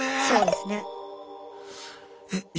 そうですね。え